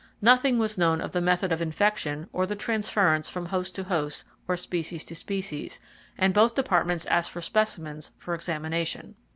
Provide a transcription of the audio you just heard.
Nothing was known of the method of infection or the transference from host to host or species to species, and both departments asked for specimens for examination.